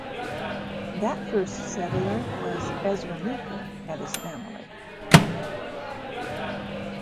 That first settler was Ezra Meeker and his family.